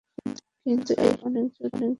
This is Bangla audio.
কিন্তু এই হিসাব অনেক জটিল।